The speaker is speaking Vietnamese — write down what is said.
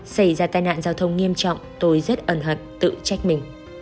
xảy ra tai nạn giao thông nghiêm trọng tôi rất ẩn hận tự trách mình